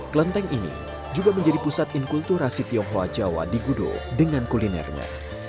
kelenteng ini juga menjadi pusat inkulturasi tionghoa jawa di gudo dengan kulinernya